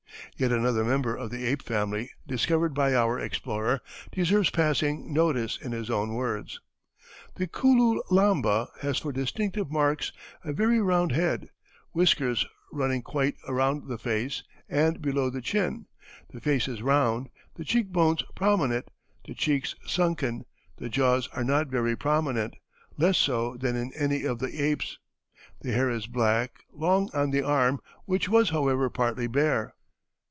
Yet another member of the ape family, discovered by our explorer, deserves passing notice in his own words: "The koo loo lamba has for distinctive marks a very round head; whiskers running quite around the face and below the chin; the face is round; the cheek bones prominent; the cheeks sunken; the jaws are not very prominent less so than in any of the apes; the hair is black, long on the arm, which was, however, partly bare.